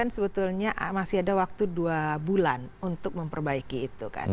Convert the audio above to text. sebetulnya masih ada waktu dua bulan untuk memperbaiki itu kan